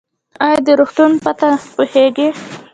ایا د روغتون پته پوهیږئ؟